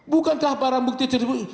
bukankah barang bukti tersebut